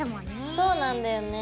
そうなんだよね。